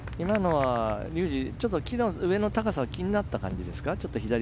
竜二、木の上の高さが気になった感じですか。